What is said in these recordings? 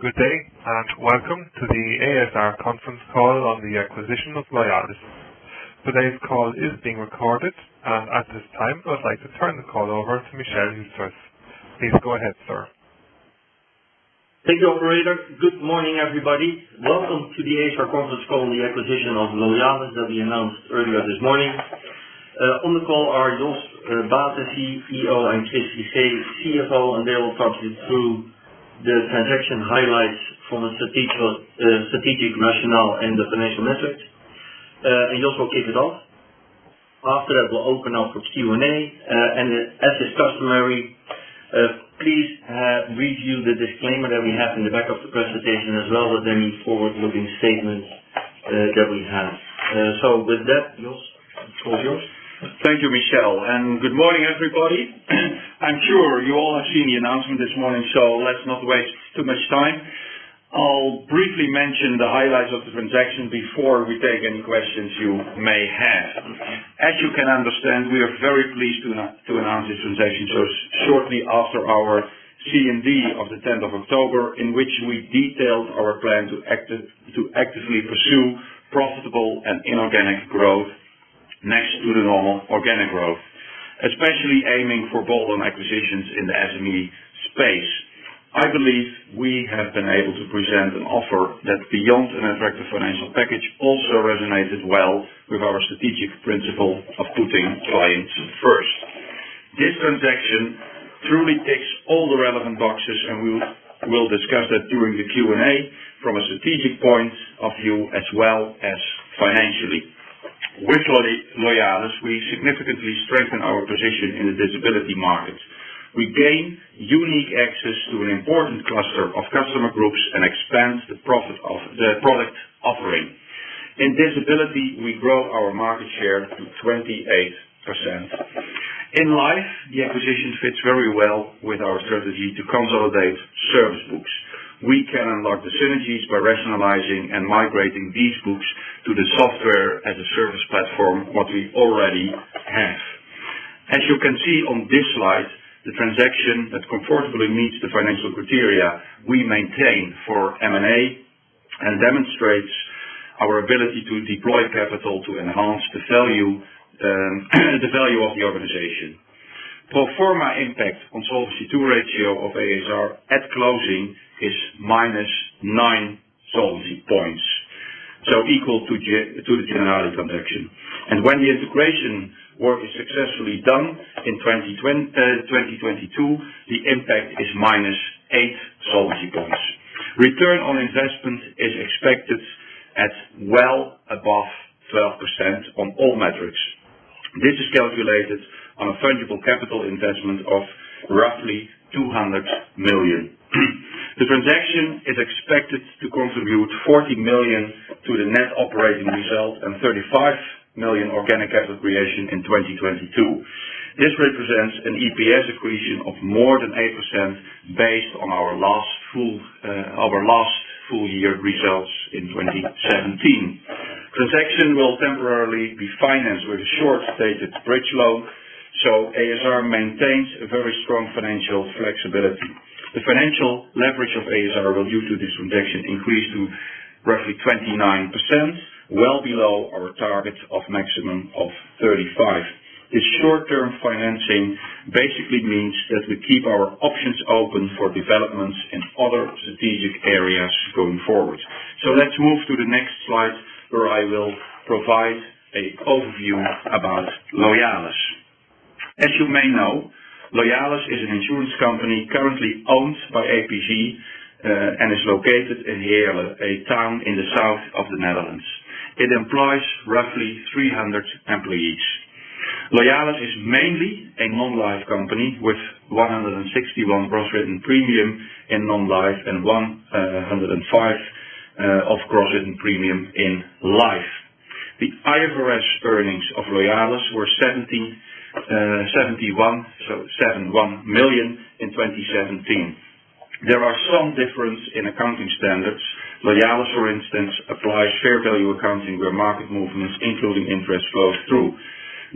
Good day. Welcome to the ASR conference call on the acquisition of Loyalis. Today's call is being recorded. At this time, I would like to turn the call over to Michel Hülters. Please go ahead, sir. Thank you, operator. Good morning, everybody. Welcome to the ASR conference call on the acquisition of Loyalis that we announced earlier this morning. On the call are Jos Baeten, CEO, and Chris Figee, CFO. They will talk you through the transaction highlights from a strategic rationale and the financial metrics. Jos will kick it off. After that, we'll open up for Q&A. As is customary, please review the disclaimer that we have in the back of the presentation as well as any forward-looking statements that we have. With that, Jos, it's all yours. Thank you, Michel. Good morning, everybody. I'm sure you all have seen the announcement this morning. Let's not waste too much time. I'll briefly mention the highlights of the transaction before we take any questions you may have. As you can understand, we are very pleased to announce this transaction so shortly after our CMD of the 10th of October, in which we detailed our plan to actively pursue profitable and inorganic growth next to the normal organic growth, especially aiming for bolt-on acquisitions in the SME space. I believe we have been able to present an offer that, beyond an attractive financial package, also resonates well with our strategic principle of putting clients first. This transaction truly ticks all the relevant boxes. We will discuss that during the Q&A from a strategic point of view as well as financially. With Loyalis, we significantly strengthen our position in the disability market. We gain unique access to an important cluster of customer groups and expand the product offering. In disability, we grow our market share to 28%. In life, the acquisition fits very well with our strategy to consolidate service books. We can unlock the synergies by rationalizing and migrating these books to the Software as a Service platform, what we already have. As you can see on this slide, the transaction that comfortably meets the financial criteria we maintain for M&A and demonstrates our ability to deploy capital to enhance the value of the organization. Pro forma impact on Solvency II ratio of ASR at closing is minus nine solvency points, equal to the Generali transaction. When the integration work is successfully done in 2022, the impact is minus eight solvency points. Return on investment is expected at well above 12% on all metrics. This is calculated on a fungible capital investment of roughly 200 million. The transaction is expected to contribute 40 million to the net operating result and 35 million organic capital creation in 2022. This represents an EPS accretion of more than 8% based on our last full year results in 2017. Transaction will temporarily be financed with a short-dated bridge loan, ASR maintains a very strong financial flexibility. The financial leverage of ASR will, due to this transaction, increase to roughly 29%, well below our target of maximum of 35%. Let's move to the next slide, where I will provide an overview about Loyalis. As you may know, Loyalis is an insurance company currently owned by APG and is located in Heerlen, a town in the south of the Netherlands. It employs roughly 300 employees. Loyalis is mainly a non-life company with 161 million gross written premium in non-life and 105 million of gross written premium in life. The IFRS earnings of Loyalis were 71 million in 2017. There are some differences in accounting standards. Loyalis, for instance, applies fair value accounting, where market movements, including interest, flow through.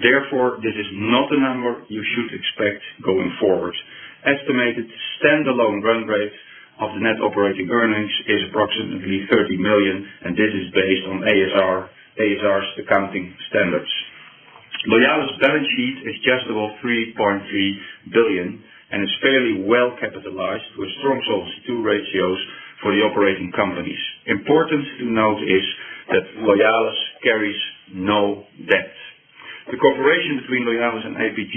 Therefore, this is not a number you should expect going forward. Estimated standalone run rate of net operating earnings is approximately 30 million, and this is based on ASR's accounting standards. Loyalis' balance sheet is just above 3.3 billion and is fairly well capitalized with strong Solvency II ratios for the operating companies. Important to note is that Loyalis carries no debt. The cooperation between Loyalis and APG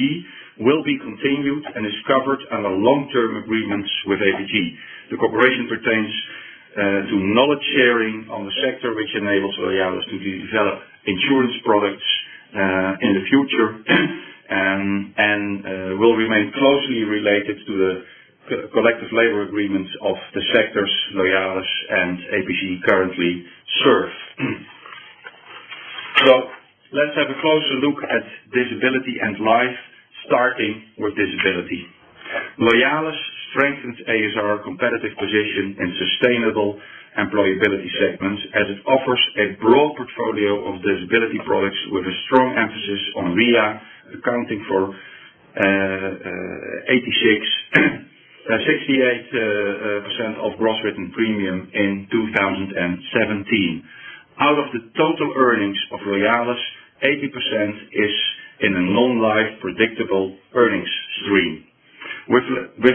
will be continued and is covered under long-term agreements with APG. The cooperation pertains to knowledge sharing on the sector, which enables Loyalis to develop insurance products in the future and will remain closely related to the collective labor agreements of the sectors Loyalis and APG currently serve. Let's have a closer look at disability and life, starting with disability. Loyalis strengthens ASR competitive position in sustainable employability segments as it offers a broad portfolio of disability products with a strong emphasis on WIA, accounting for 86% of gross written premium in 2017. Out of the total earnings of Loyalis, 80% is in a non-life predictable earnings stream. With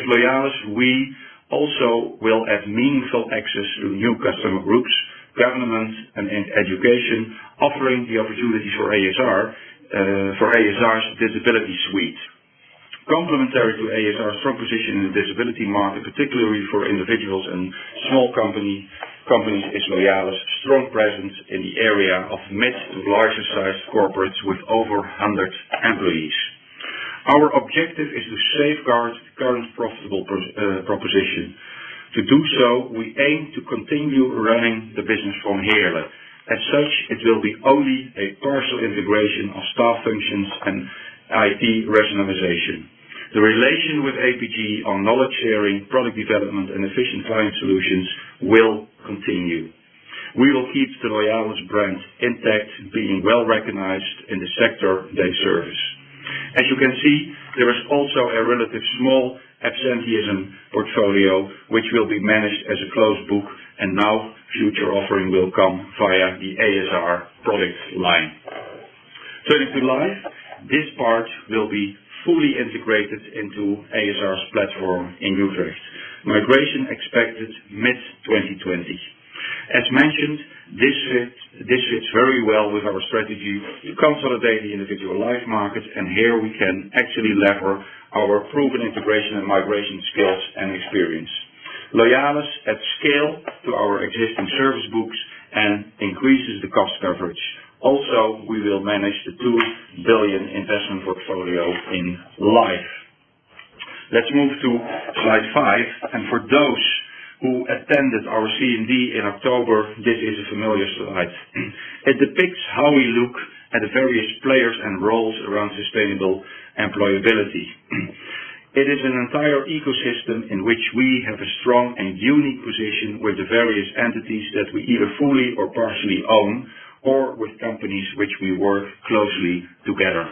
Loyalis, we also will have meaningful access to new customer groups, governments, and education, offering the opportunities for ASR's disability suite. Complementary to ASR's strong position in the disability market, particularly for individuals and small companies, is Loyalis' strong presence in the area of mid and larger sized corporates with over 100 employees. Our objective is to safeguard current profitable proposition. To do so, we aim to continue running the business from Heerlen. As such, it will be only a partial integration of staff functions and IT rationalization. The relation with APG on knowledge sharing, product development, and efficient client solutions will continue. We will keep the Loyalis brand intact, being well-recognized in the sector they service. As you can see, there is also a relatively small absenteeism portfolio which will be managed as a closed book, and no future offering will come via the ASR product line. Turning to life, this part will be fully integrated into ASR's platform in Utrecht. Migration expected mid-2020. As mentioned, this fits very well with our strategy to consolidate the individual life markets, here we can actually lever our proven integration and migration skills and experience. Loyalis adds scale to our existing service books and increases the cost coverage. We will manage the 2 billion investment portfolio in life. Let's move to slide five. For those who attended our CMD in October, this is a familiar slide. It depicts how we look at the various players and roles around sustainable employability. It is an entire ecosystem in which we have a strong and unique position with the various entities that we either fully or partially own, or with companies which we work closely together.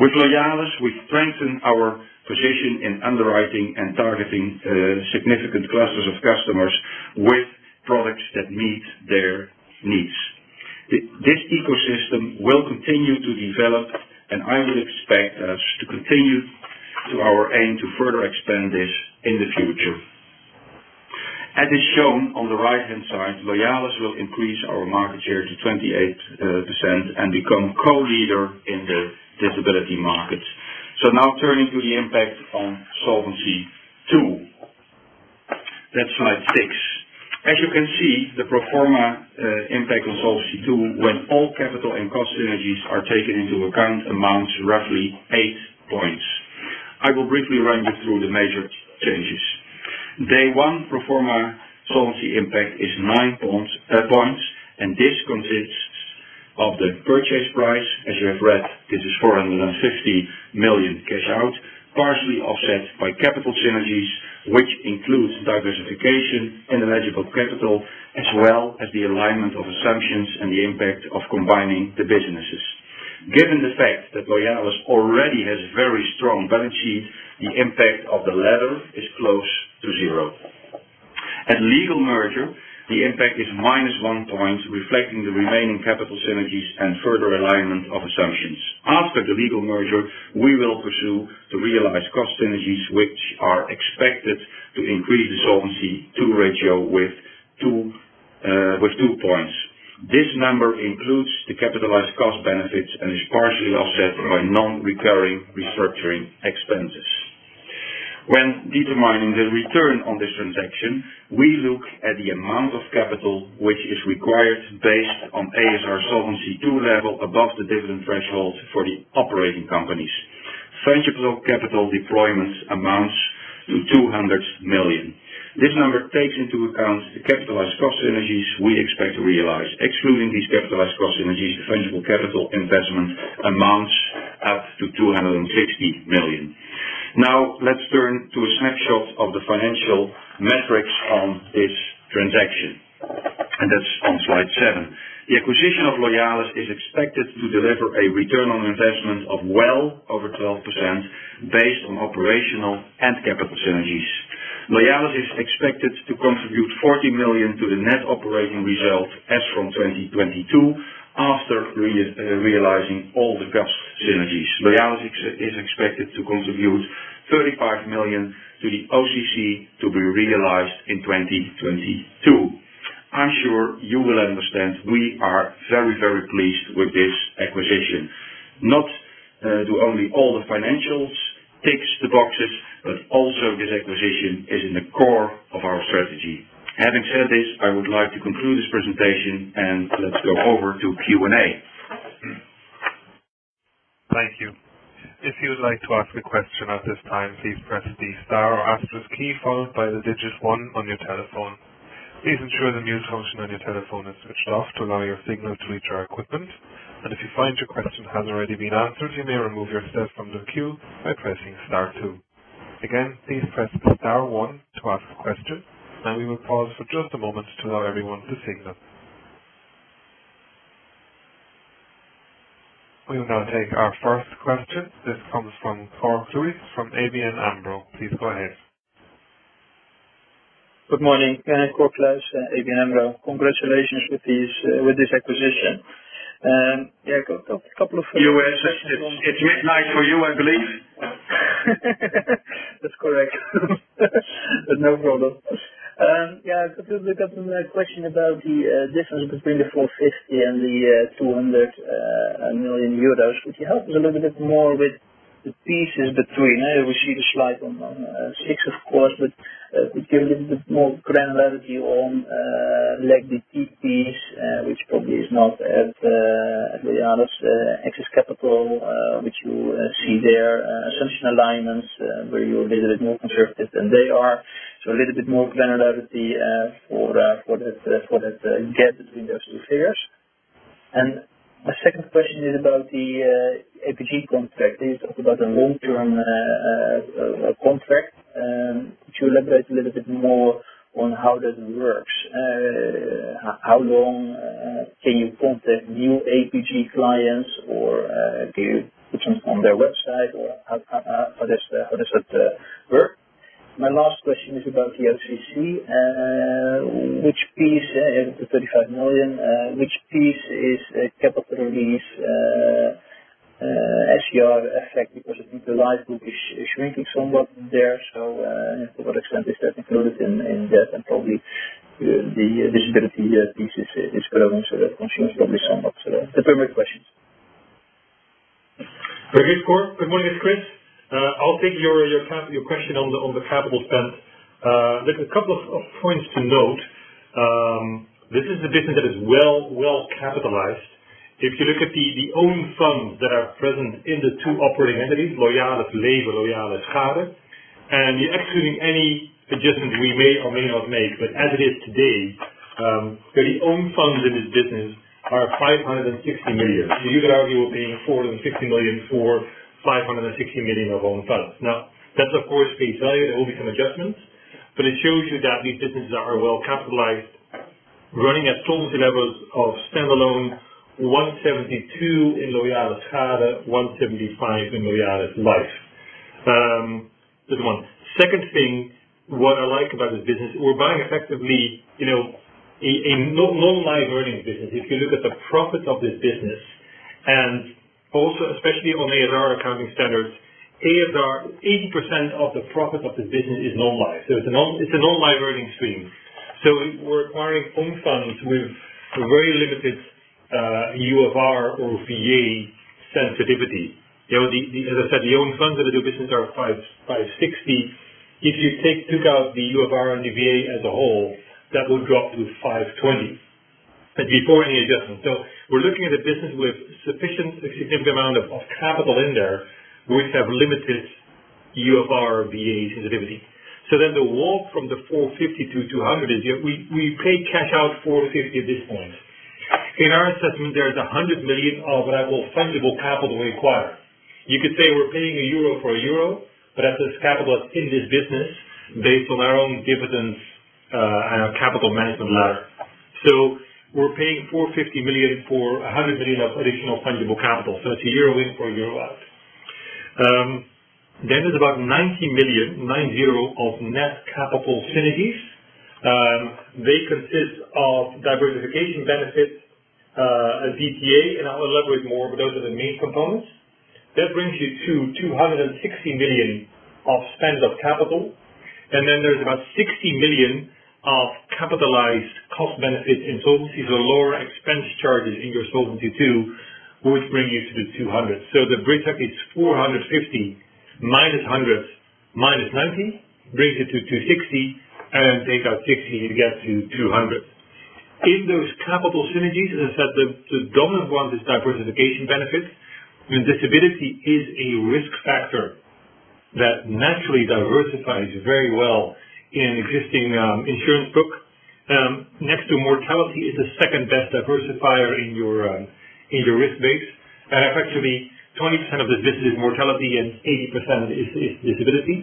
With Loyalis, we strengthen our position in underwriting and targeting significant classes of customers with products that meet their needs. This ecosystem will continue to develop, I would expect us to continue to our aim to further expand this in the future. As is shown on the right-hand side, Loyalis will increase our market share to 28% and become co-leader in the disability market. Now turning to the impact on Solvency II. That's slide six. As you can see, the pro forma impact on Solvency II, when all capital and cost synergies are taken into account, amounts roughly 8 points. I will briefly run you through the major changes. Day one pro forma solvency impact is 9 points, this consists of the purchase price. As you have read, it is 450 million cash out, partially offset by capital synergies, which includes diversification in eligible capital, as well as the alignment of assumptions and the impact of combining the businesses. Given the fact that Loyalis already has very strong balance sheet, the impact of the latter is close to zero. At legal merger, the impact is -1 point, reflecting the remaining capital synergies and further alignment of assumptions. After the legal merger, we will pursue to realize cost synergies, which are expected to increase the Solvency II ratio with 2 points. This number includes the capitalized cost benefits and is partially offset by non-recurring restructuring expenses. When determining the return on this transaction, we look at the amount of capital which is required based on ASR Solvency II level above the dividend threshold for the operating companies. Tangible capital deployment amounts to 200 million. This number takes into account the capitalized cost synergies we expect to realize. Excluding these capitalized cost synergies, the tangible capital investment amounts up to 260 million. Let's turn to a snapshot of the financial metrics from this transaction, that's on slide seven. The acquisition of Loyalis is expected to deliver a return on investment of well over 12%, based on operational and capital synergies. Loyalis is expected to contribute 40 million to the net operating result as from 2022, after realizing all the cost synergies. Loyalis is expected to contribute 35 million to the OCC to be realized in 2022. I'm sure you will understand, we are very pleased with this acquisition. Not do only all the financials ticks the boxes, but also this acquisition is in the core of our strategy. Having said this, I would like to conclude this presentation, let's go over to Q&A. Thank you. If you would like to ask a question at this time, please press the star or asterisk key, followed by the digits one on your telephone. Please ensure the mute function on your telephone is switched off to allow your signal to reach our equipment. If you find your question has already been answered, you may remove yourself from the queue by pressing star two. Please press star one to ask a question, and we will pause for just a moment to allow everyone to signal. We will now take our first question. This comes from Cor Kluis from ABN AMRO. Please go ahead. Good morning. Cor Kluis, ABN AMRO. Congratulations with this acquisition. A couple of questions. It's midnight for you, I believe. That's correct. No problem. I've completely got a question about the difference between the 450 million and the 200 million euros. Could you help us a little bit more with the pieces between? I know we see the slide on six, of course, but could you give a little bit more granularity on legacy piece, which probably is not at Loyalis excess capital, which you see there, assumption alignments, where you're a little bit more conservative than they are. So a little bit more granularity for that gap between those two figures. My second question is about the APG contract. You talked about a long-term contract. Could you elaborate a little bit more on how that works? How long can you contact new APG clients, or do you put them on their website, or how does that work? My last question is about the OCC, which piece, the 35 million, which piece is a capital release SCR effect because the life book is shrinking somewhat there. To what extent is that included in that, probably the disability piece is growing, so that consumes probably some of that. That's my questions. Okay, Cor. Good morning. It's Chris. I'll take your question on the capital spend. There's a couple of points to note. This is a business that is well capitalized. If you look at the own funds that are present in the two operating entities, Loyalis Leven, Loyalis Schade, and you're excluding any adjustments we may or may not make, but as it is today, the own funds in this business are 560 million. You could argue we're paying 460 million for 560 million of own funds. Now, that of course, pre-value, there will be some adjustments, but it shows you that these businesses are well capitalized, running at solvency levels of stand-alone 172% in Loyalis Schade, 175% in Loyalis Life. That's one. Second thing, what I like about this business, we're buying effectively a non-life earnings business. If you look at the profit of this business, also especially on ASR accounting standards, ASR, 80% of the profit of this business is non-life. It's a non-life earnings stream. We're acquiring own funds with very limited UFR or VA sensitivity. As I said, the own funds of the two business are 560 million. If you took out the UFR and the VA as a whole, that would drop to 520 million, before any adjustment. We're looking at a business with sufficient, a significant amount of capital in there, which have limited UFR/VA sensitivity. The walk from the 450 million to 200 million is we paid cash out 450 million at this point. In our assessment, there is 100 million of that will fundable capital required. You could say we're paying a euro for a euro, but that's just capital in this business based on our own dividends and our capital management ladder. We're paying 450 million for 100 million of additional fundable capital. It's a euro in for a euro out. There's about 90 million of net capital synergies. They consist of diversification benefits, DTA, and I'll elaborate more, but those are the main components. It brings you to 260 million of spend of capital, and there's about 60 million of capitalized cost benefit in solvency. The lower expense charges in your Solvency II would bring you to the 200 million. The bridge up is 450 million minus 100 million, minus 90 million, brings it to 260 million, and take out 60 million, you get to 200 million. In those capital synergies, as I said, the dominant one is diversification benefits. Disability is a risk factor that naturally diversifies very well in existing insurance book. Next to mortality is the second-best diversifier in your risk base. Effectively, 20% of this business is mortality and 80% is disability.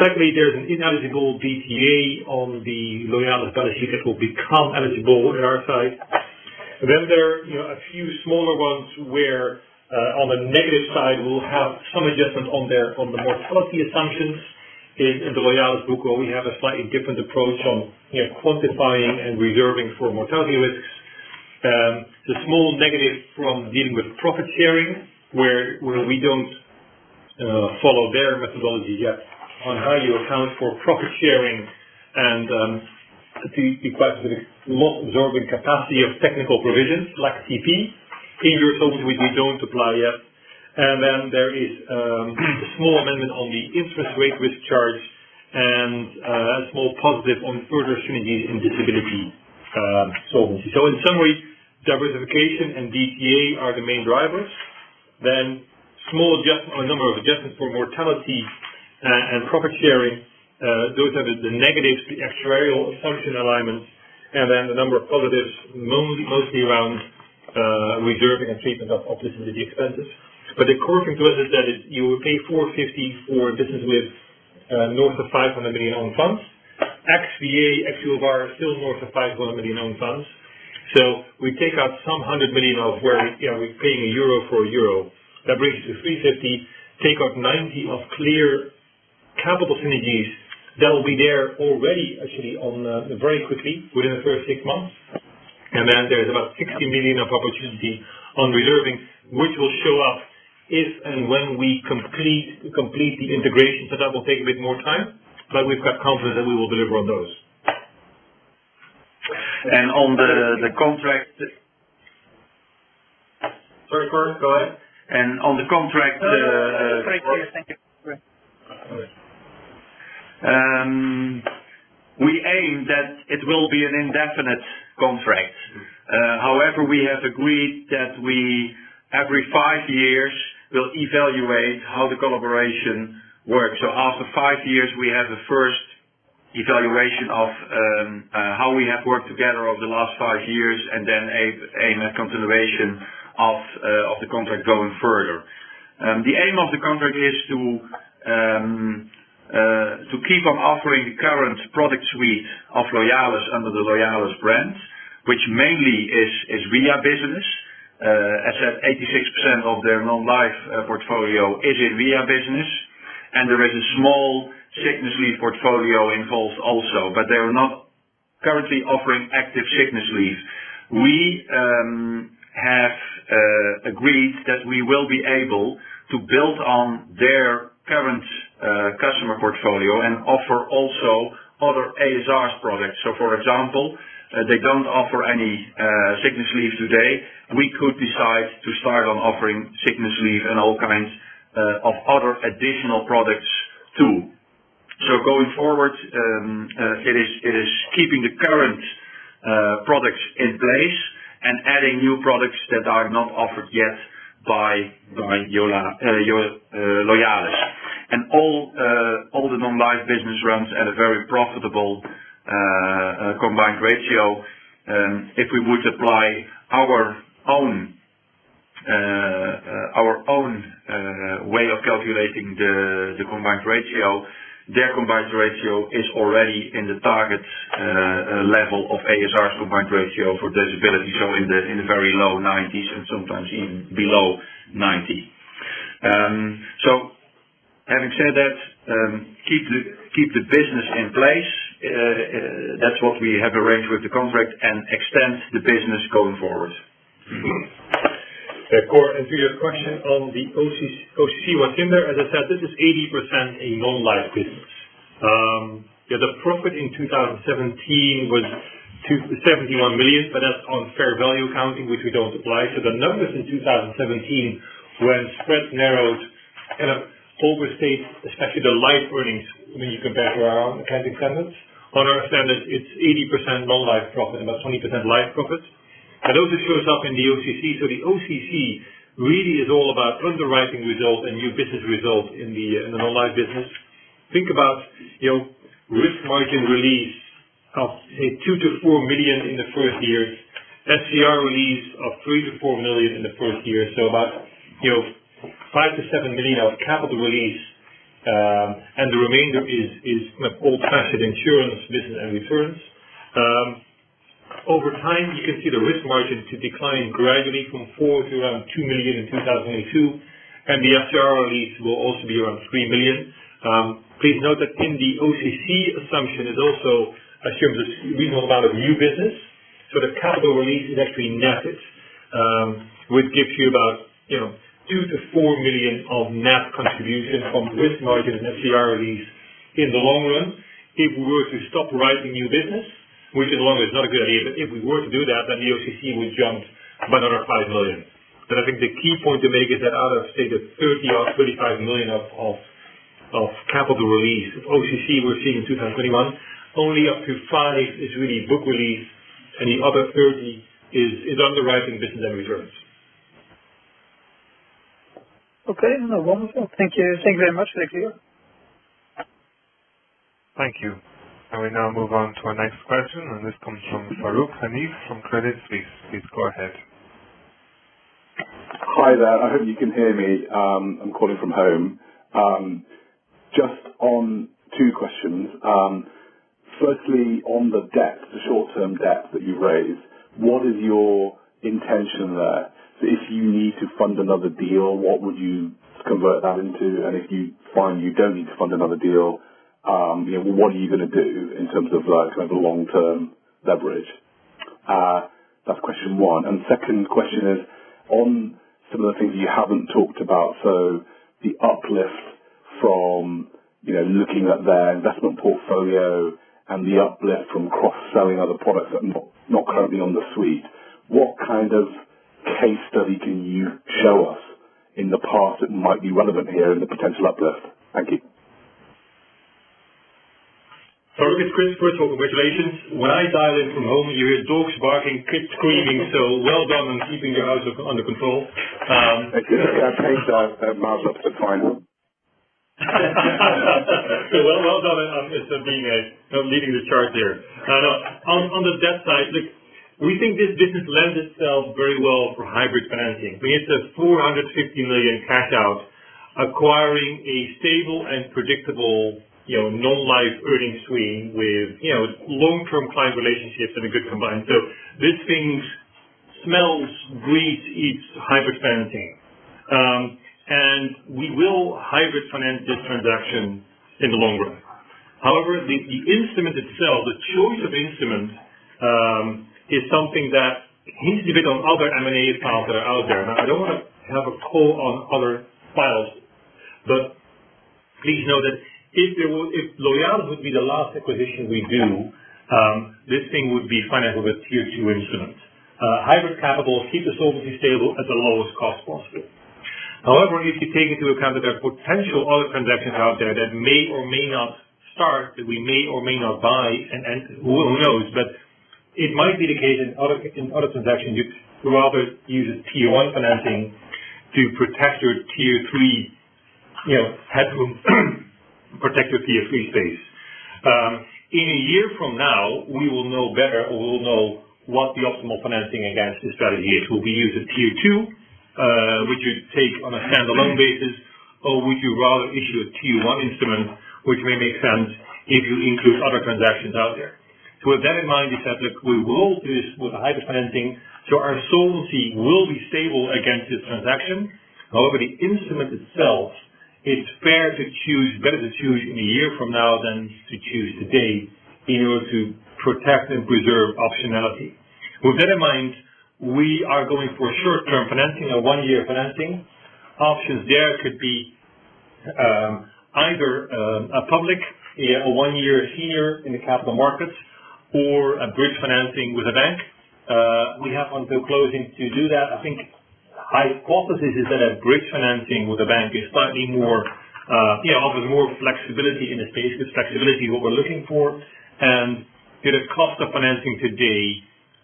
Secondly, there is an ineligible DTA on the Loyalis book which will become eligible in our side. There are a few smaller ones where on the negative side, we'll have some adjustments on the mortality assumptions in the Loyalis book, where we have a slightly different approach on quantifying and reserving for mortality risks. It's a small negative from dealing with profit sharing, where we don't follow their methodology yet on how you account for profit sharing and to be quite a bit loss-absorbing capacity of technical provisions, like TP. Previous owners, which we don't apply yet. There is a small amendment on the interest rate risk charge and a small positive on further synergies in disability solvency. In summary, diversification and DTA are the main drivers. Small number of adjustments for mortality and profit sharing. Those are the negatives, the actuarial function alignment, and the number of positives, mostly around reserving and treatment of disability expenses. The core conclusion is that you will pay 450 million for a business with north of 500 million own funds. XVA, actual bar, still north of 500 million own funds. We take out some 100 million of where we're paying a euro for a euro. It brings it to 350 million. Take out 90 million of clear capital synergies that will be there already, actually, very quickly within the first six months. There's about 60 million of opportunity on reserving, which will show up if and when we complete the integration. That will take a bit more time, but we've got confidence that we will deliver on those. on the contract- Sorry, Cor. Go ahead. on the contract- No, no. It's great to hear. Thank you. We aim that it will be an indefinite contract. However, we have agreed that every five years, we will evaluate how the collaboration works. After five years, we have the first evaluation of how we have worked together over the last five years, and then aim at continuation of the contract going further. The aim of the contract is to keep on offering the current product suite of Loyalis under the Loyalis brand, which mainly is WIA business. As said, 86% of their non-life portfolio is in WIA business, and there is a small sickness leave portfolio involved also, but they are not currently offering active sickness leave. We have agreed that we will be able to build on their current customer portfolio and offer also other ASR products. For example, they don't offer any sickness leave today. We could decide to start on offering sickness leave and all kinds of other additional products too. Going forward, it is keeping the current products in place and adding new products that are not offered yet by Loyalis. All the non-life business runs at a very profitable combined ratio. If we would apply our own way of calculating the combined ratio, their combined ratio is already in the target level of ASR's combined ratio for disability. In the very low 90s and sometimes even below 90. Having said that, keep the business in place. That's what we have arranged with the contract, and extend the business going forward. Cor, to your question on the OCC. What's in there. As I said, this is 80% a non-life business. The profit in 2017 was 71 million, but that's on fair value accounting, which we don't apply. The numbers in 2017, when spread narrowed, kind of overstate, especially the life earnings when you compare to our accounting standards. On our standard, it's 80% non-life profit and about 20% life profit. Also shows up in the OCC. The OCC really is all about underwriting result and new business result in the non-life business. Think about risk margin release of, say, 2 million-4 million in the first year, FCR release of 3 million-4 million in the first year. About 5 million-7 million of capital release. The remainder is old classic insurance business and returns. Over time, you can see the risk margin to decline gradually from 4 million to around 2 million in 2022, and the FCR release will also be around 3 million. Please note that in the OCC assumption, it also assumes a reasonable amount of new business. The capital release is actually netted, which gives you about 2 million-4 million of net contribution from risk margin and FCR release. In the long run, if we were to stop writing new business, which in the long run is not a good idea, but if we were to do that, then the OCC would jump by another 5 million. I think the key point to make is that out of, say, the 30 million or 35 million of capital release of OCC we're seeing in 2021, only up to 5 million is really book release, and the other 30 million is underwriting business and returns. Okay. No, wonderful. Thank you. Thank you very much. Thank you. Thank you. We now move on to our next question, and this comes from Farooq Hanif from Credit Suisse. Please go ahead. Hi there. I hope you can hear me. I'm calling from home. Just on two questions. Firstly, on the debt, the short-term debt that you raised, what is your intention there? If you need to fund another deal, what would you convert that into? If you find you don't need to fund another deal, what are you going to do in terms of long-term leverage? That's question one. Second question is on some of the things you haven't talked about. The uplift from looking at their investment portfolio and the uplift from cross-selling other products that are not currently on the suite. What kind of case study can you show us in the past that might be relevant here in the potential uplift? Thank you. look, it's Chris. First of all, congratulations. When I dial in from home, you hear dogs barking, kids screaming. Well done on keeping your house under control. I think that mouths up to kind of. Well done on leading the charge there. On the debt side, we think this business lends itself very well for hybrid financing. It's a 450 million cash out acquiring a stable and predictable non-life earnings stream with long-term client relationships and a good combined. This thing smells, breathes, eats hybrid financing. We will hybrid finance this transaction in the long run. However, the instrument itself, the choice of instrument, is something that needs to be on other M&A files that are out there. Now, I don't want to have a call on other files, but please know that if Loyalis was to be the last acquisition we do, this thing would be financed with a Tier 2 instrument. Hybrid capital keeps the solvency stable at the lowest cost possible. However, if you take into account that there are potential other transactions out there that may or may not start, that we may or may not buy, and who knows, but it might be the case in other transactions, you'd rather use a Tier 1 financing to protect your Tier 3 headroom, protect your Tier 3 space. In a year from now, we will know better or we will know what the optimal financing against this strategy is. Will we use a Tier 2, which you take on a standalone basis, or would you rather issue a Tier 1 instrument, which may make sense if you include other transactions out there. With that in mind, we said that we will do this with a hybrid financing, so our solvency will be stable against this transaction. However, the instrument itself, it's fair to choose, better to choose in a year from now than to choose today in order to protect and preserve optionality. With that in mind, we are going for short-term financing or one-year financing. Options there could be either a public, a one-year senior in the capital markets or a bridge financing with a bank. We have until closing to do that. I think hypothesis is that a bridge financing with a bank is slightly more, offers more flexibility in a space. It's flexibility what we're looking for, and the cost of financing today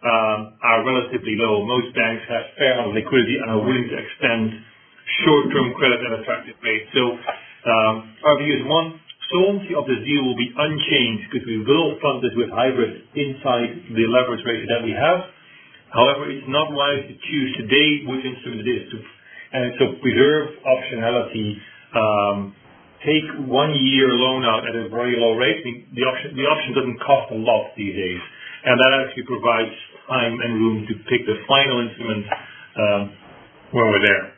are relatively low. Most banks have a fair amount of liquidity and are willing to extend short-term credit at attractive rates. Our view is, one, solvency of the deal will be unchanged because we will fund this with hybrid inside the leverage ratio that we have. However, it's not wise to choose today which instrument it is. Preserve optionality, take one year loan out at a very low rate. The option doesn't cost a lot these days, and that actually provides time and room to pick the final instrument when we're there.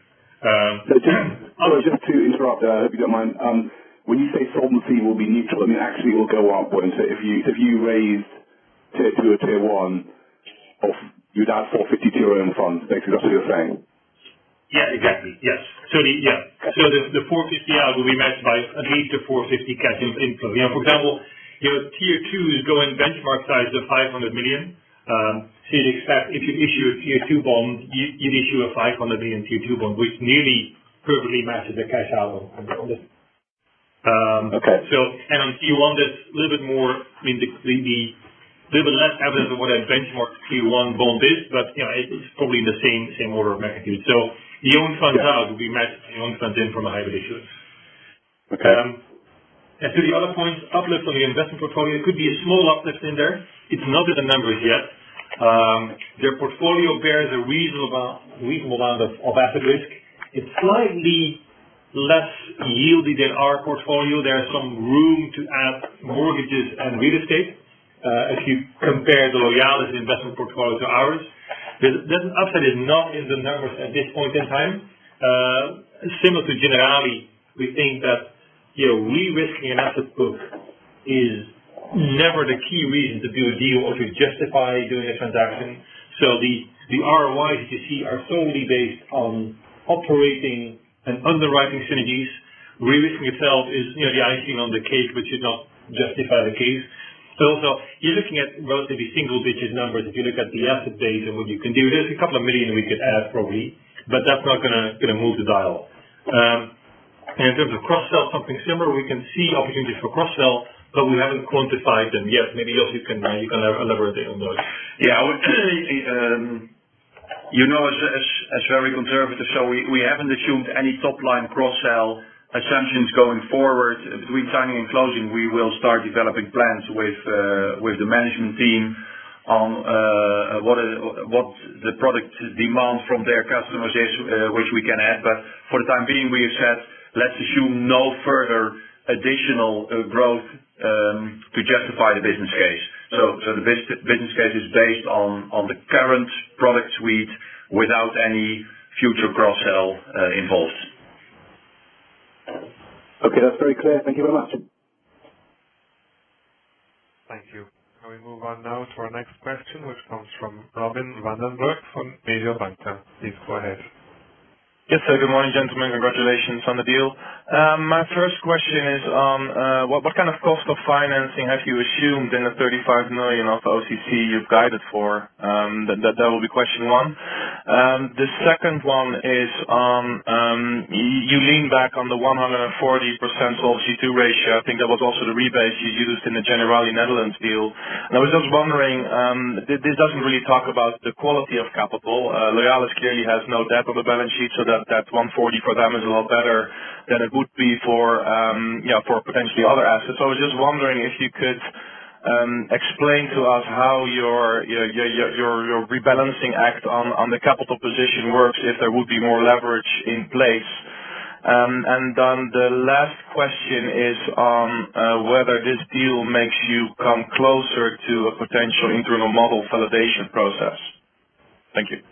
Just to interrupt, I hope you don't mind. When you say solvency will be neutral, I mean, actually it will go upward if you raise Tier 2 or Tier 1 without EUR 450 million Tier 1 funds. Is that what you're saying? Yeah, exactly. Yes. The 450 million out will be matched by at least the 450 million cash inflows. For example, your Tier 2 is going benchmark size of 500 million. You'd expect if you issue a Tier 2 bond, you'd issue a 500 million Tier 2 bond, which nearly perfectly matches the cash out on this. Okay. On Tier 1 that's, I mean, a little bit less evidence of what a benchmark Tier 1 bond is. It's probably in the same order of magnitude. The own funds out will be matched by the own funds in from a hybrid issue. Okay. To the other point, uplift on the investment portfolio. It could be a small uplift in there. It's not in the numbers yet. Their portfolio bears a reasonable amount of asset risk. It's slightly less yieldy than our portfolio. There is some room to add mortgages and real estate. If you compare the Loyalis investment portfolio to ours. The uplift is not in the numbers at this point in time. Similar to Generali, we think that re-risking an asset book is never the key reason to do a deal or to justify doing a transaction. The ROIs, as you see, are solely based on operating and underwriting synergies. Re-risking itself is the icing on the cake, which is not justify the case. You're looking at relatively single-digit numbers. If you look at the asset base and what we can do, there's a couple of million we could add probably. That's not going to move the dial. In terms of cross-sell, something similar. We can see opportunities for cross-sell, but we haven't quantified them yet. Maybe Jos can elaborate a little on those. Yeah, I would say, as very conservative. We haven't assumed any top-line cross-sell assumptions going forward. Between signing and closing, we will start developing plans with the management team on what the product demand from their customization, which we can add. For the time being, we have said, let's assume no further additional growth to justify the business case. The business case is based on the current product suite without any future cross-sell involved. Okay. That's very clear. Thank you very much. Thank you. We move on now to our next question, which comes from Robin van den Broek from Mediobanca. Please go ahead. Yes, sir. Good morning, gentlemen. Congratulations on the deal. My first question is, what kind of cost of financing have you assumed in the 35 million of OCC you've guided for? That will be question one. The second one is, you lean back on the 140% Solvency II ratio. I think that was also the rate you used in the Generali Nederland deal. I was just wondering, this doesn't really talk about the quality of capital. Loyalis clearly has no debt on the balance sheet, so that 140% for them is a lot better than it would be for potentially other assets. I was just wondering if you could explain to us how your rebalancing act on the capital position works if there would be more leverage in place. The last question is on whether this deal makes you come closer to a potential internal model validation process. Thank you.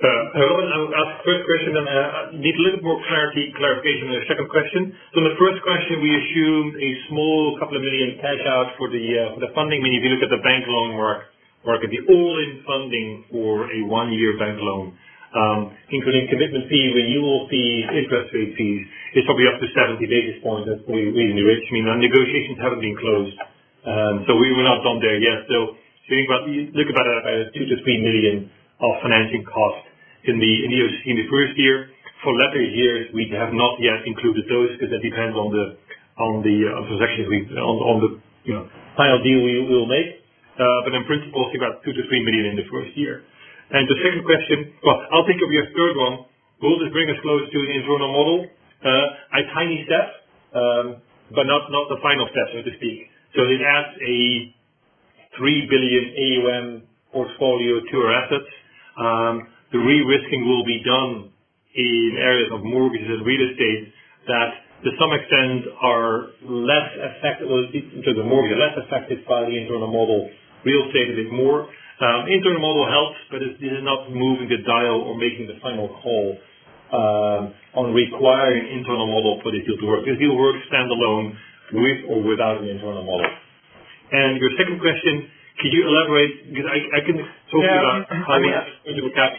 I will ask the first question. I need a little more clarification on the second question. The first question, we assumed a small couple of million cash out for the funding. When you look at the bank loan where it could be all-in funding for a one-year bank loan, including commitment fees and ULC interest rate fees, it's probably up to 70 basis points as we re-enrich. Negotiations haven't been closed. We were not done there yet. Think about it, 2 million-3 million of financing costs in the first year. For later years, we have not yet included those because that depends on the final deal we will make. In principle, think about 2 million-3 million in the first year. The second question. I'll think of your third one. Will this bring us close to the internal model? A tiny step, but not the final step, so to speak. It adds a 3 billion AUM portfolio to our assets. The re-risking will be done in areas of mortgages and real estate that, to some extent, are less affected by the internal model. Real estate a bit more. Internal model helps, but it is not moving the dial or making the final call on requiring internal model for the deal to work. This deal works standalone with or without an internal model. Your second question, could you elaborate? I can talk to that.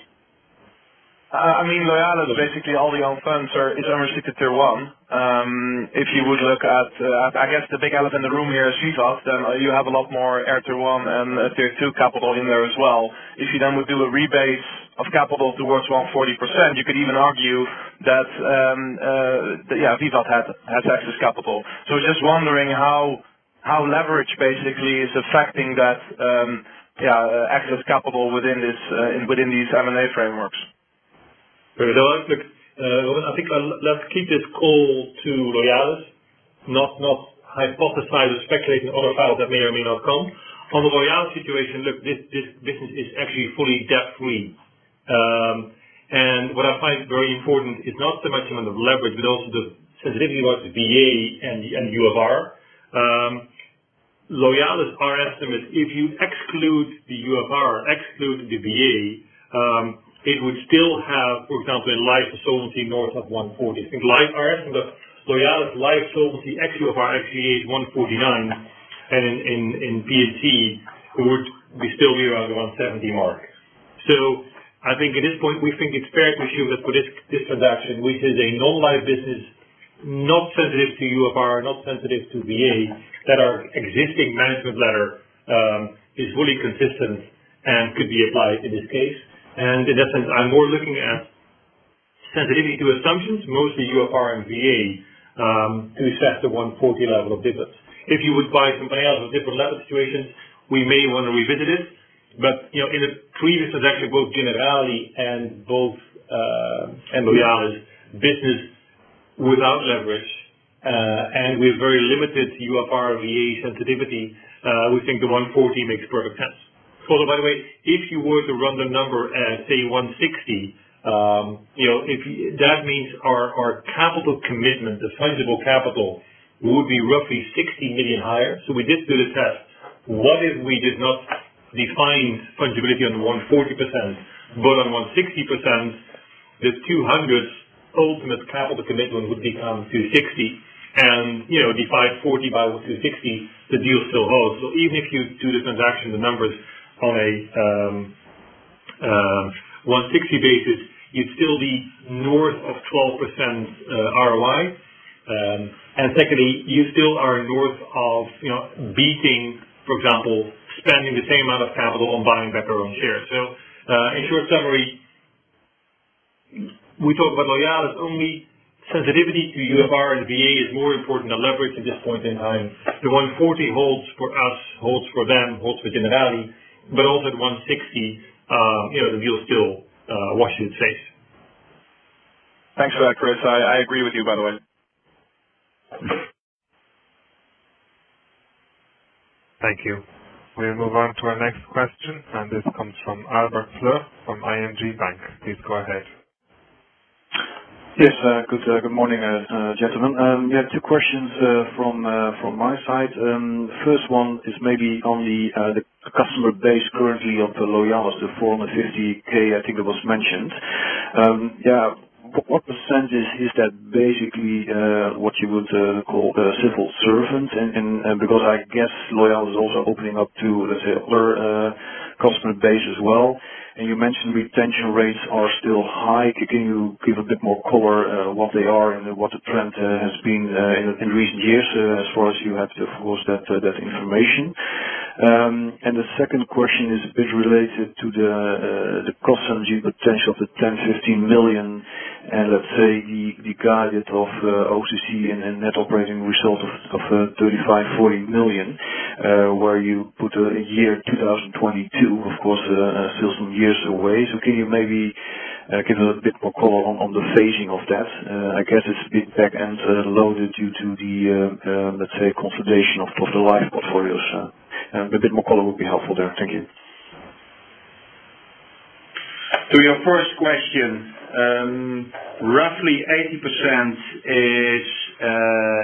Loyalis, basically all the on-premise is unrestricted Tier 1. If you would look at, I guess, the big elephant in the room here is VIVAT, then you have a lot more other Tier 1 and Tier 2 capital in there as well. If you then would do a rebase of capital towards 140%, you could even argue that VIVAT has excess capital. Just wondering how leverage basically is affecting that excess capital within these M&A frameworks. Let's keep this call to Loyalis, not hypothesize or speculate on other files that may or may not come. On the Loyalis situation, this business is actually fully debt-free. What I find very important is not so much the amount of leverage, but also the sensitivity about the VA and UFR. Loyalis, our estimate, if you exclude the UFR, exclude the VA, it would still have, for example, a life solvency north of 140%. Loyalis life solvency ex UFR, actually is 149%, and in PAT, we still be around the 170% mark. At this point, we think it's fair to assume that for this transaction, which is a non-life business, not sensitive to UFR, not sensitive to VA, that our existing management letter is fully consistent and could be applied in this case. In that sense, I'm more looking at sensitivity to assumptions, mostly UFR and VA, to accept the 140% level of business. If you would buy somebody else with different level situations, we may want to revisit it. In a previous transaction, both Generali and Loyalis, business without leverage, and with very limited UFR and VA sensitivity, we think the 140% makes perfect sense. If you were to run the number at, say, 160%, that means our capital commitment, assignable capital, would be roughly 60 million higher. We did do the test. What if we did not define fungibility on 140%, but on 160%? The 200 million ultimate capital commitment would become 260 million and divide 40 million by 260 million, the deal still holds. Even if you do the transaction, the numbers on a 160 basis, you'd still be north of 12% ROI. Secondly, you still are north of beating, for example, spending the same amount of capital on buying back our own shares. In short summary, we talk about Loyalis only. Sensitivity to UFR and VA is more important than leverage at this point in time. The 140 holds for us, holds for them, holds for Generali, but also at 160, the deal still washes safe. Thanks for that, Chris. I agree with you, by the way. Thank you. We'll move on to our next question, and this comes from Albert Ploegh from ING Bank. Please go ahead. Yes. Good morning, gentlemen. Two questions from my side. First one is maybe on the customer base currently of Loyalis, the 450,000, I think it was mentioned. What percentage is that, basically, what you would call a civil servant? I guess Loyalis is also opening up to other customer base as well. You mentioned retention rates are still high. Can you give a bit more color what they are and what the trend has been in recent years as far as you have, of course, that information? The second question is related to the cost synergy potential of the 10 million-15 million, and let's say the guidance of OCC and net operating result of 35 million-40 million, where you put a year 2022, of course, still some years away. Can you maybe give us a bit more color on the phasing of that? I guess it's a bit back-end loaded due to the, let's say, consolidation of the life portfolios. A bit more color would be helpful there. Thank you. To your first question, roughly 80% is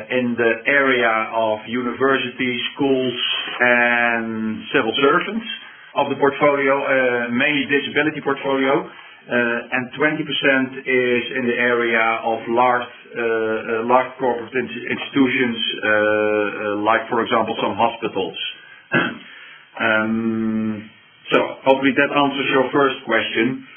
in the area of universities, schools, and civil servants of the portfolio, mainly disability portfolio. 20% is in the area of large corporate institutions, like, for example, some hospitals. Hopefully that answers your first question.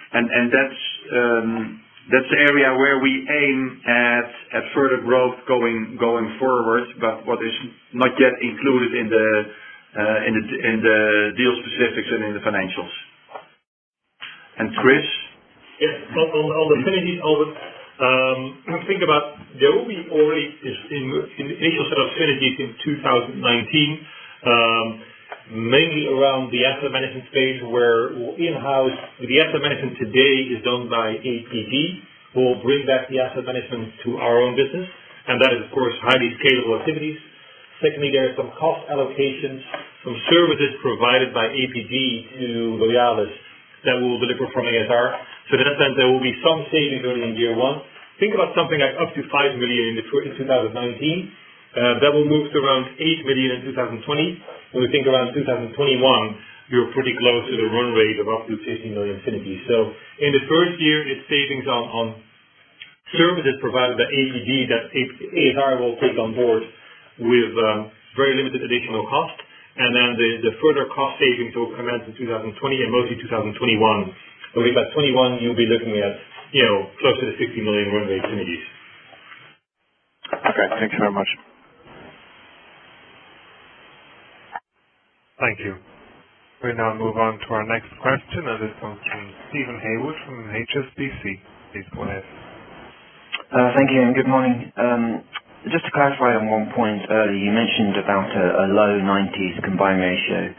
That's the area where we aim at further growth going forward, but what is not yet included in the deal specifics and in the financials. Chris? Yes. On the synergies, Albert. Think about there will be already in the initial set of synergies in 2019, mainly around the asset management space, where in-house, the asset management today is done by APG. We'll bring back the asset management to our own business, that is, of course, highly scalable activities. Secondly, there are some cost allocations from services provided by APG to Loyalis that we'll deliver from ASR. That there will be some savings already in year one. Think about something like up to 5 million in 2019. That will move to around 8 million in 2020. When we think around 2021, we are pretty close to the run rate of up to 16 million synergies. In the first year, it's savings on services provided by APG that ASR will put on board with very limited additional cost. Then there's the further cost savings will commence in 2020 and mostly 2021. I think by 2021, you'll be looking at closer to 16 million run rate synergies. Okay. Thank you very much. Thank you. We now move on to our next question, and it's from Steven Haywood from HSBC. Please go ahead. Thank you, and good morning. Just to clarify on one point earlier, you mentioned about a low nineties combined ratio.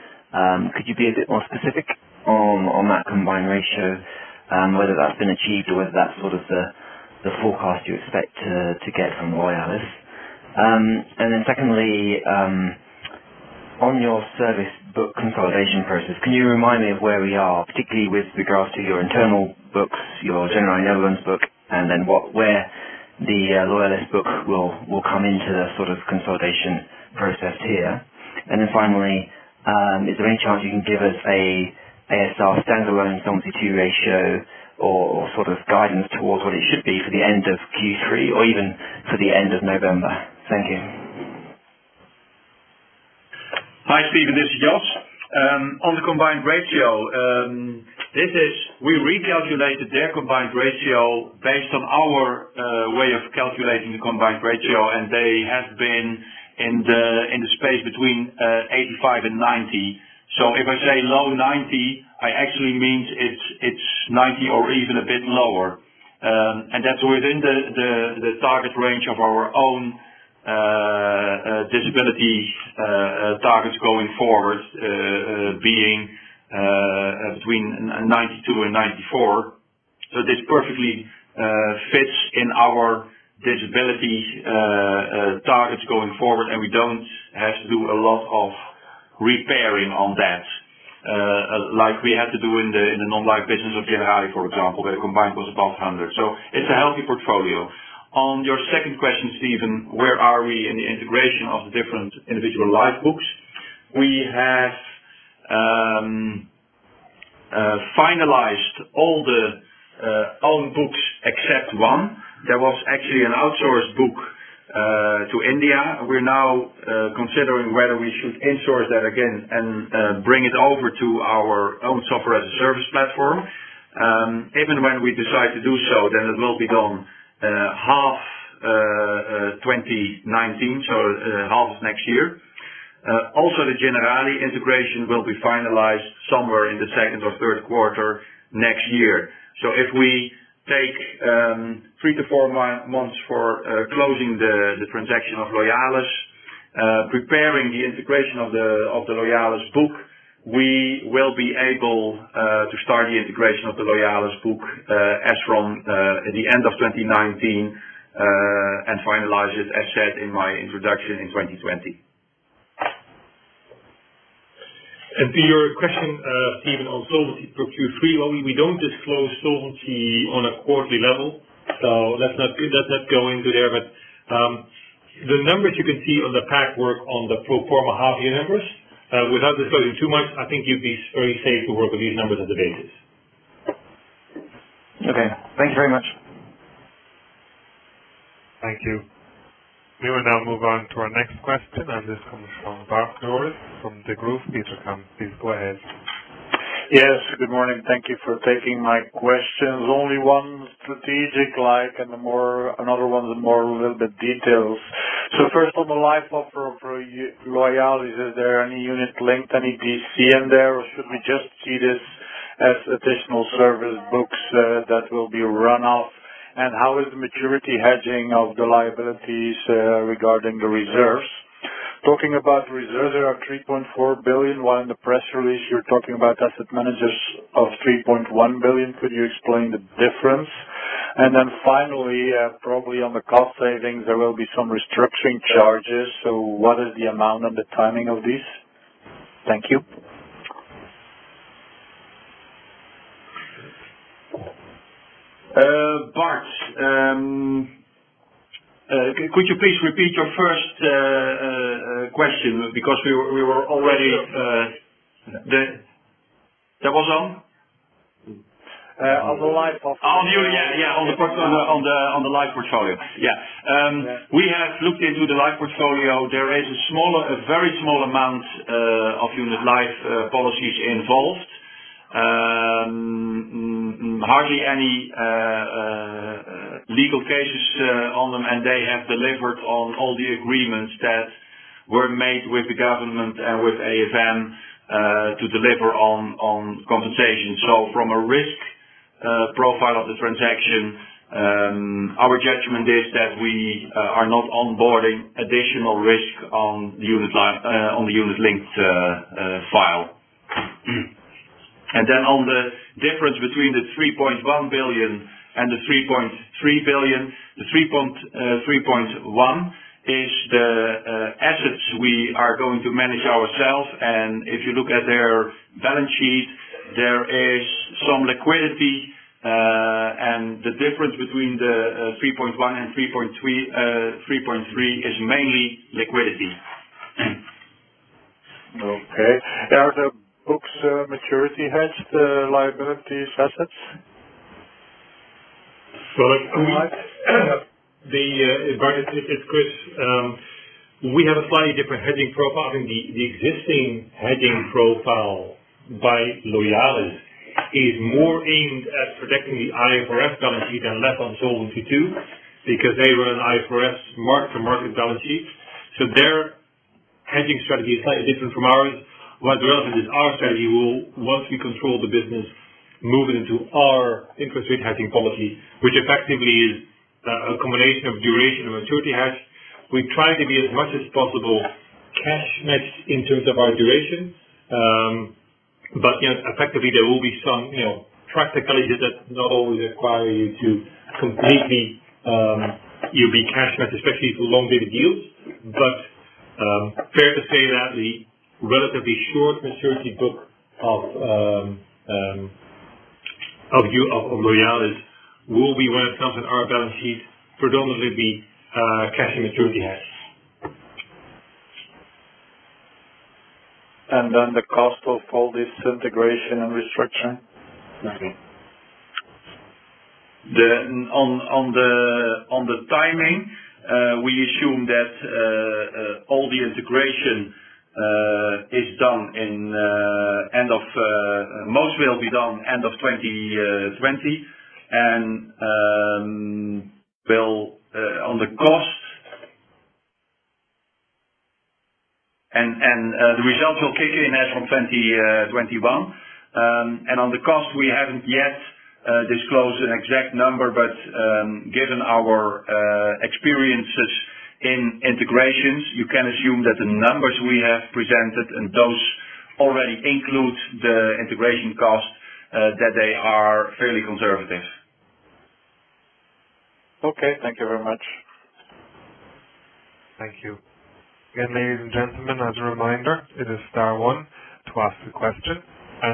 Could you be a bit more specific on that combined ratio, whether that's been achieved or whether that's sort of the forecast you expect to get from Loyalis? Then secondly, on your service book consolidation process, can you remind me of where we are, particularly with regards to your internal books, your Generali Nederland book, and then where the Loyalis book will come into the consolidation process here? Then finally, is there any chance you can give us a ASR standalone Solvency II ratio or sort of guidance towards what it should be for the end of Q3 or even for the end of November? Thank you. Hi, Steven. This is Jos. On the combined ratio, we recalculated their combined ratio based on our way of calculating the combined ratio, and they have been in the space between 85 and 90. If I say low 90, I actually mean it's 90 or even a bit lower. That's within the target range of our own disability targets going forward, being between 92 and 94. This perfectly fits in our disability targets going forward, and we don't have to do a lot of repairing on that, like we had to do in the non-life business of Generali, for example, where the combined was above 100. It's a healthy portfolio. On your second question, Steven, where are we in the integration of the different individual life books? We have finalized all the own books except one. There was actually an outsourced book to India. We're now considering whether we should in-source that again and bring it over to our own Software as a Service platform. Even when we decide to do so, then it will be done half 2019, so half of next year. Also, the Generali integration will be finalized somewhere in the second or third quarter next year. If we take three to four months for closing the transaction of Loyalis, preparing the integration of the Loyalis book, we will be able to start the integration of the Loyalis book as from the end of 2019, and finalize it, as said in my introduction, in 2020. To your question, Steven, on solvency for Q3, we don't disclose solvency on a quarterly level, so let's not go into there. The numbers you can see on the pack work on the pro forma half year numbers. Without disclosing too much, I think you'd be very safe to work with these numbers as the basis. Okay. Thank you very much. Thank you. We will now move on to our next question. This comes from Bart Jooris from Degroof Petercam. Please go ahead. Yes. Good morning. Thank you for taking my questions. Only one strategic like. Another one is more a little bit detailed. First, on the life offer for Loyalis, is there any unit linked, any DC in there, or should we just see this as additional service books that will be run off? How is the maturity hedging of the liabilities regarding the reserves? Talking about reserves, there are 3.4 billion, while in the press release you're talking about AUM of 3.1 billion. Could you explain the difference? Finally, probably on the cost savings, there will be some restructuring charges. What is the amount and the timing of this? Thank you. Bart, could you please repeat your first question? What was that on? On the life offer. On the life portfolio. We have looked into the life portfolio. There is a very small amount of unit life policies involved. Hardly any legal cases on them. They have delivered on all the agreements that were made with the government and with AFM to deliver on compensation. From a risk profile of the transaction, our judgment is that we are not onboarding additional risk on the unit linked file. On the difference between the 3.1 billion and the 3.3 billion, the 3.1 billon is the assets we are going to manage ourselves. If you look at their balance sheet, there is some liquidity. The difference between the 3.1 billion and 3.3 billion is mainly liquidity. Are the books maturity hedged liabilities assets? Bart, it's Chris. We have a slightly different hedging profile. I think the existing hedging profile by Loyalis is more aimed at protecting the IFRS balance sheet and less on Solvency II, because they run IFRS mark-to-market balance sheet. Their hedging strategy is slightly different from ours. What the relative is our strategy will, once we control the business, move it into our interest rate hedging policy, which effectively is a combination of duration and maturity hedge. We try to be as much as possible cash match in terms of our duration. Effectively there will be some practicalities that not always require you to completely be cash match, especially through longer reviews. Fair to say that the relatively short maturity book of Loyalis will be, when it comes in our balance sheet, predominantly be cash and maturity hedge. The cost of all this integration and restructuring? On the timing, we assume that most will be done end of 2020. The results will kick in as from 2021. On the cost, we haven't yet disclosed an exact number, but given our experiences in integrations, you can assume that the numbers we have presented, and those already include the integration cost, that they are fairly conservative. Okay. Thank you very much. Thank you. Again, ladies and gentlemen, as a reminder, it is star one to ask the question.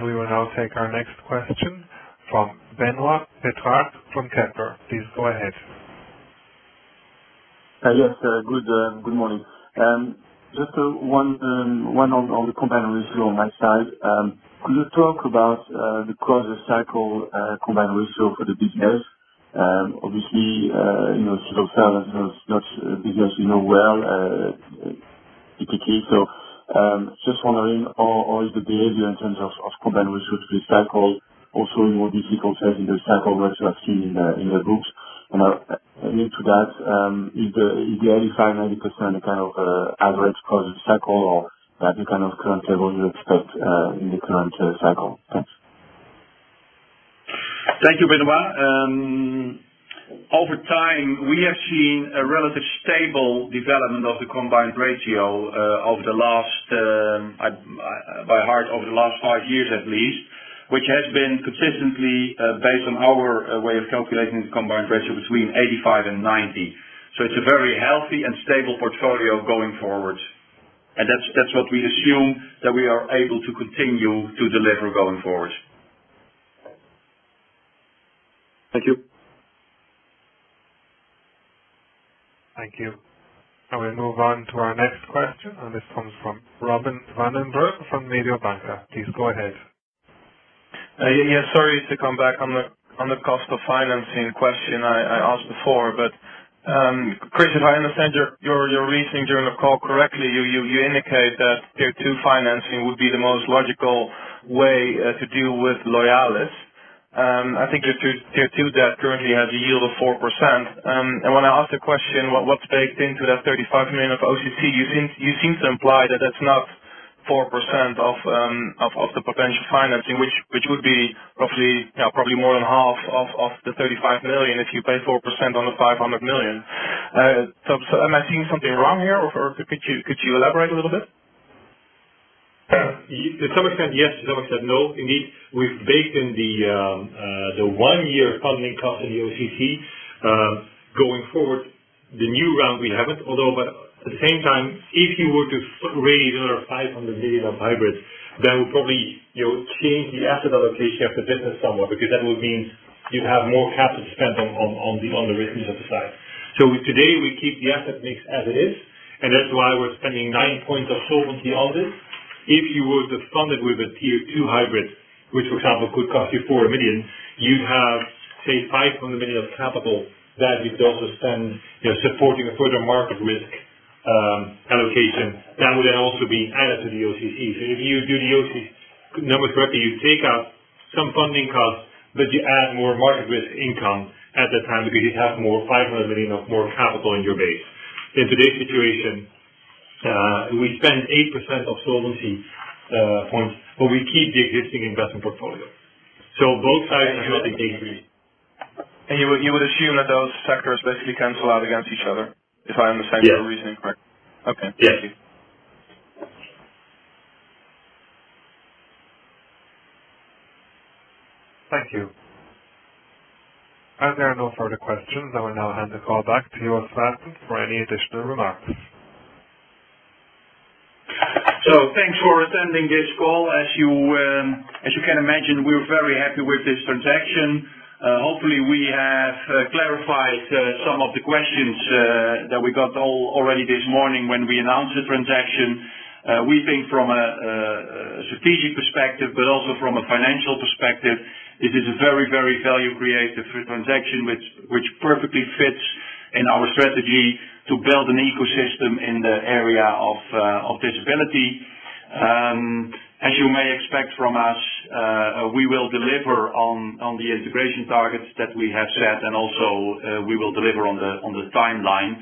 We will now take our next question from Benoit Pétrarque from Kepler Cheuvreux. Please go ahead. Yes. Good morning. Just one on the combined ratio on my side. Could you talk about the closer cycle, combined ratio for the business? Obviously, Loyalis is a business we know well, typically. Just wondering how is the behavior in terms of combined ratio through cycle, also in more difficult terms in the cycle what you have seen in the books. Into that, is the 85%-90% a kind of average across the cycle, or any kind of current level you expect in the current cycle? Thanks. Thank you, Benoit. Over time, we have seen a relative stable development of the combined ratio over the last five years at least, which has been consistently based on our way of calculating the combined ratio between 85 and 90. It's a very healthy and stable portfolio going forward, and that's what we assume that we are able to continue to deliver going forward. Thank you. Thank you. We move on to our next question, and this comes from Robin van den Broek from Mediobanca. Please go ahead. Yes. Sorry to come back on the cost of financing question I asked before, but Chris, if I understand your reasoning during the call correctly, you indicate that Tier 2 financing would be the most logical way to deal with Loyalis. I think your Tier 2 debt currently has a yield of 4%. When I asked the question, what's baked into that 35 million of OCC, you seemed to imply that that's not 4% of the potential financing, which would be probably more than half of the 35 million if you pay 4% on the 500 million. Am I seeing something wrong here, or could you elaborate a little bit? To some extent, yes. To some extent, no. Indeed, we've baked in the one-year funding cost in the OCC. Going forward, the new round we haven't. At the same time, if you were to raise another 500 million of hybrid, that would probably change the asset allocation of the business somewhat because that would mean you have more capital spend on the risk asset side. Today, we keep the asset mix as it is, and that's why we're spending 9 points of solvency on this. If you were to fund it with a Tier 2 hybrid, which for example, could cost you 400 million, you'd have say 500 million of capital that you could also spend supporting a further market risk allocation. That would also be added to the OCC. If you do the OCC numbers correctly, you take out some funding costs, but you add more market risk income at that time because you have 500 million of more capital in your base. In today's situation, we spend 8% of solvency points, but we keep the existing investment portfolio. Both sides have a gain for me. You would assume that those sectors basically cancel out against each other, if I understand your reasoning correctly? Yes. Okay. Thank you. Yes. Thank you. As there are no further questions, I will now hand the call back to Jos Baeten for any additional remarks. Thanks for attending this call. As you can imagine, we're very happy with this transaction. Hopefully we have clarified some of the questions that we got already this morning when we announced the transaction. We think from a strategic perspective, but also from a financial perspective, it is a very value creative transaction which perfectly fits in our strategy to build an ecosystem in the area of disability. As you may expect from us, we will deliver on the integration targets that we have set and also we will deliver on the timeline.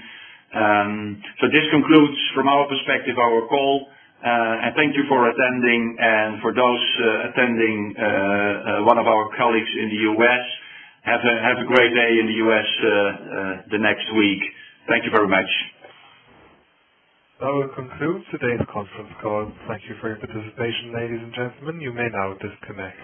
This concludes from our perspective, our call. Thank you for attending. For those attending, one of our colleagues in the U.S., have a great day in the U.S. the next week. Thank you very much. That will conclude today's conference call. Thank you for your participation, ladies and gentlemen. You may now disconnect.